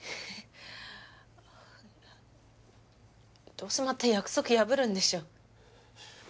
どうせまた約束破るんでしょ？